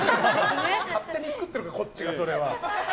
勝手に作ってるからこっちが、それは。